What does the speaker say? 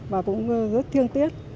và cũng rất thiêng tiếc